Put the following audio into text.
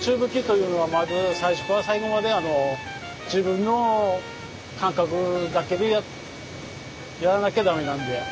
宙吹きというのはまず最初から最後まであの自分の感覚だけでやらなきゃダメなんで。